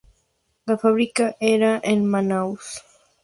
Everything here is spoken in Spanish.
La fábrica era en Manaus.